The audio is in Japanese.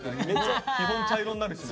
基本茶色になるしな。